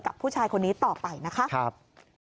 กับผู้ชายคนนี้ต่อไปนะคะ